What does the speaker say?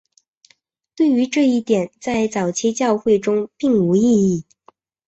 对于这一点在早期教会中并无异议。